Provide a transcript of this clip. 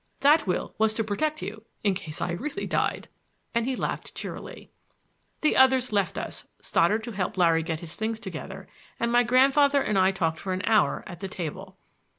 That will was to protect you in case I really died!"—and he laughed cheerily. The others left us—Stoddard to help Larry get his things together—and my grandfather and I talked for an hour at the table.